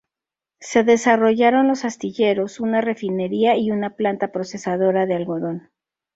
Se desarrollaron los astilleros, una refinería y una planta procesadora de algodón.